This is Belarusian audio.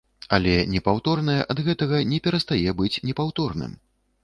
Але непаўторнае ад гэтага не перастае быць непаўторным.